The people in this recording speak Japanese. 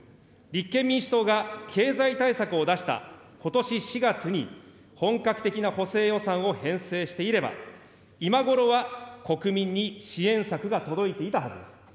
立憲民主党が経済対策を出したことし４月に本格的な補正予算を編成していれば、今頃は国民に支援策が届いていたはずです。